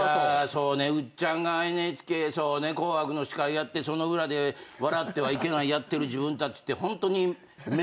そうねウッチャンがＮＨＫそうね『紅白』の司会やってその裏で『笑ってはいけない』やってる自分たちってホントに。